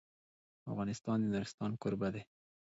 افغانستان د نورستان کوربه دی.